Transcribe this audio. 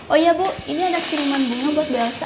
oh iya bu ini ada kiriman bunga buat biasa